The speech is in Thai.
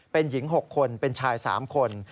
เป็นหญิง๖คนเป็นชาย๓คน